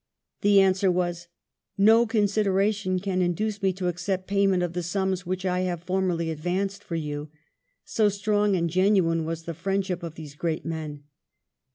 The answer was, " No consideration can induce me to accept payment of the sums which I have formerly advanced for you"; so strong and genuine was the friendship of these great men.